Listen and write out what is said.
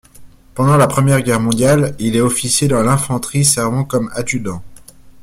Pendant la Première Guerre mondiale, il est officier dans l'infanterie servant comme adjudant.